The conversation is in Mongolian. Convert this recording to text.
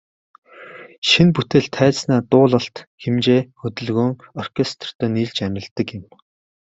Шинэ бүтээл тайзнаа дуулалт, хэмжээ, хөдөлгөөн, оркестертэй нийлж амилдаг юм.